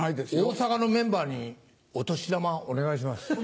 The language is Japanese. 大阪のメンバーにお年玉お願いします。